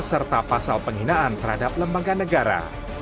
serta pasal penghinaan terhadap lembaga negara